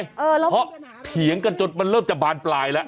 เพราะเถียงกันจนมันเริ่มจะบานปลายแล้ว